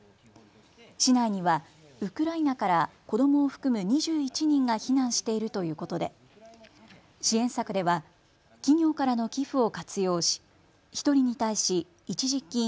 市内にはウクライナから子どもを含む２１人が避難しているということで支援策では企業からの寄付を活用し１人に対し一時金